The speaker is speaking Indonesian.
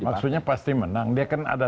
maksudnya pasti menang dia kan ada